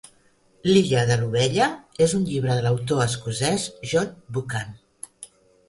L'Illa de l'Ovella és un llibre de l'autor escocès John Buchan.